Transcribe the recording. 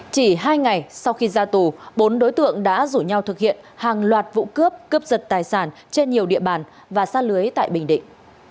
chỉ hai ngày sau khi ra tù bốn đối tượng đã rủ nhau thực hiện hàng loạt vụ cướp cướp giật tài sản trên nhiều địa bàn và xa lưới tại bình định